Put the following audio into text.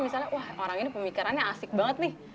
misalnya wah orang ini pemikirannya asik banget nih